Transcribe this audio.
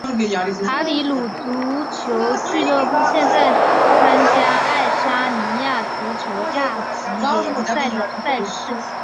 卡里鲁足球俱乐部现在参加爱沙尼亚足球甲级联赛的赛事。